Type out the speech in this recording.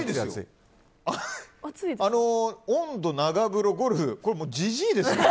温度、長風呂、ゴルフこれ、じじいですね。